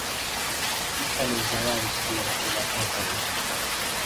محن الزمان كثيرة لا تنقضي